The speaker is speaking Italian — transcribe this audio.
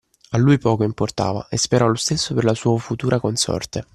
A lui poco importava, e sperò lo stesso per la sua futura consorte.